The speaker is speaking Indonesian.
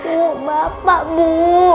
bu bapak bu